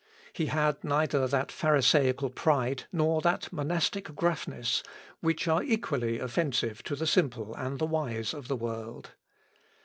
He had neither that pharisaical pride, nor that monastic gruffness, which are equally offensive to the simple and the wise of the world.